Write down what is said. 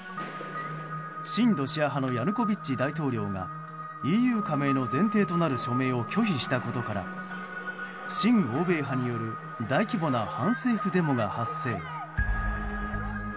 親ロシア派のヤヌコビッチ大統領がＥＵ加盟の前提となる署名を拒否したことから親欧米派による大規模な反政府デモが発生。